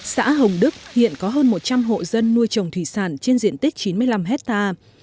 xã hồng đức hiện có hơn một trăm linh hộ dân nuôi trồng thủy sản trên diện tích chín mươi năm hectare